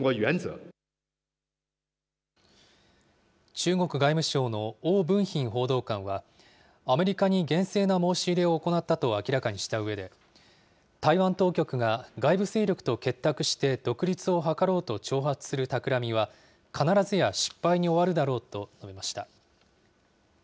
中国外務省の汪文斌報道官は、アメリカに厳正な申し入れを行ったと明らかにしたうえで、台湾当局が外部勢力と結託して独立を図ろうと挑発するたくらみは必ずや失敗に終わるだろうと述べました。